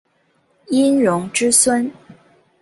殷融之孙。